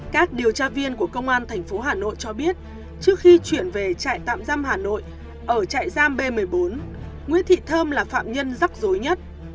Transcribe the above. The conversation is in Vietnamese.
các điều tra viên của công an tp hà nội cho biết trước khi chuyển về trại tạm giam hà nội ở trại giam b một mươi bốn nguyễn thị thơm là phạm nhân rắc rối nhất